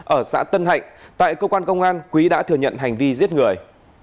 ở xã tân hạnh tại cơ quan công an quý đã thừa nhận hành vi giết người